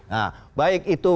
nah baik itu